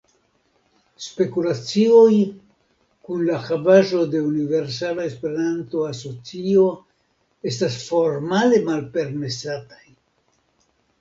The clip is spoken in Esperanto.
Spekulacioj kun la havaĵo de Universala Esperanto Asocio estas formale malpermesataj.